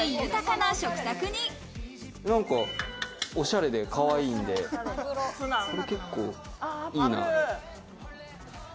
なんかオシャレでかわいいんで、結構いいな。